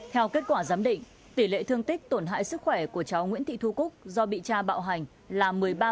theo kết quả giám định tỷ lệ thương tích tổn hại sức khỏe của cháu nguyễn thị thu cúc do bị cha bạo hành là một mươi ba